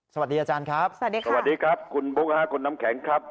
สวัสดีอาจารย์ครับสวัสดีครับสวัสดีครับคุณบุ๊คคุณน้ำแข็งครับ